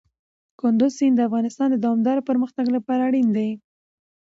کندز سیند د افغانستان د دوامداره پرمختګ لپاره اړین دی.